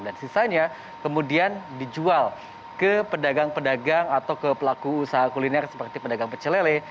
dan sisanya kemudian dijual ke pedagang pedagang atau ke pelaku usaha kuliner seperti pedagang pecelele